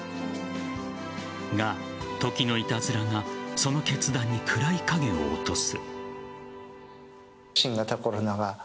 が、時のいたずらがその決断に暗い影を落とす。